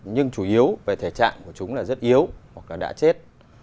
nhưng chủ yếu về thể trạng của chúng là rất yếu hoặc là đã chết